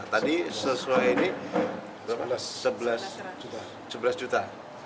tadi sesuai ini sebelas juta